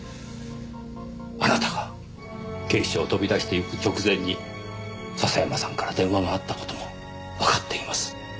あなたが警視庁を飛び出していく直前に笹山さんから電話があった事もわかっています。